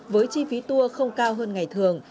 với chi phí tour không cao hơn ngày thường